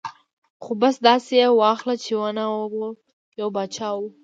ـ خو بس داسې یې واخله چې و نه و ، یو باچا و.